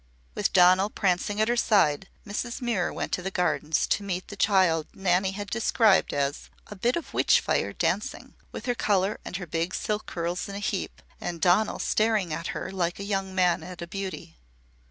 With Donal prancing at her side, Mrs. Muir went to the Gardens to meet the child Nanny had described as "a bit of witch fire dancing with her colour and her big silk curls in a heap, and Donal staring at her like a young man at a beauty."